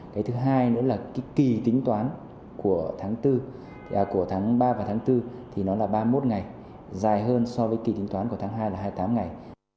cái thứ hai nữa là kỳ tính toán của tháng ba và tháng bốn thì nó là ba mươi một ngày dài hơn so với kỳ tính toán của tháng hai là hai mươi tám ngày